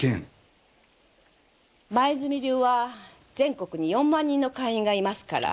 黛流は全国に４万人の会員がいますから。